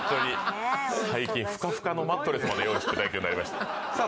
最近フカフカのマットレスまで用意していただくようになりましたさあ